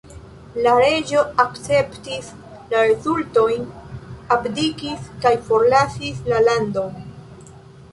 La reĝo akceptis la rezultojn, abdikis kaj forlasis la landon.